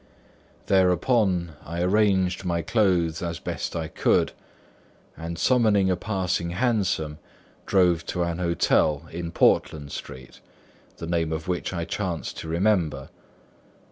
Thereupon, I arranged my clothes as best I could, and summoning a passing hansom, drove to an hotel in Portland Street, the name of which I chanced to remember.